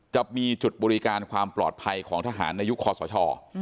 จะมีจุดบริการความปลอดภัยของทหารในยุคคอสช